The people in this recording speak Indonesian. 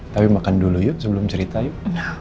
tapi makan dulu yuk sebelum cerita yuk